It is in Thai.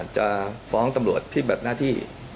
จะฟ้องตำรวจพิบัติหน้าที่